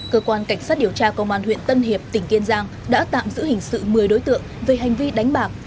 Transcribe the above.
cơ quan cảnh sát điều tra công an huyện tân hiệp tỉnh kiên giang đã tạm giữ hình sự một mươi đối tượng về hành vi đánh bạc